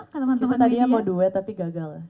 kita tadi mau duet tapi gagal